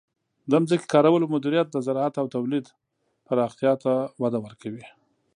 د ځمکې کارولو مدیریت د زراعت او تولیداتو پراختیا ته وده ورکوي.